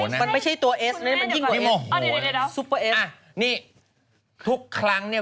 นี่ทุกครั้งเนี่ย